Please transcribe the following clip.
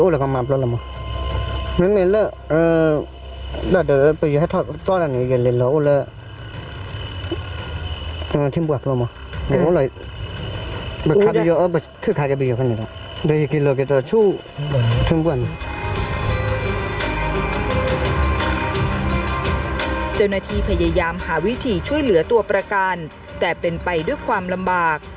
พยายามหาวิธีช่วยเหลือตัวประกันแต่เป็นไปด้วยความลำบาก